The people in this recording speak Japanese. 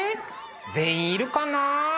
全員いるかな？